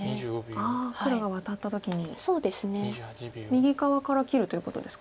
右側から切るということですか？